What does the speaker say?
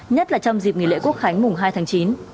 nhất là trong dịp nghỉ lễ quốc khánh mùng hai tháng chín